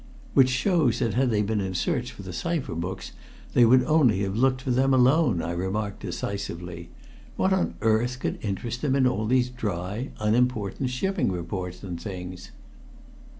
"Which shows that had they been in search for the cipher books they would only have looked for them alone," I remarked decisively. "What on earth could interest them in all these dry, unimportant shipping reports and things?"